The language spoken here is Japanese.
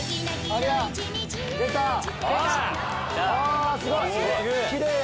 あすごい！